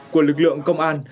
của lực lượng công an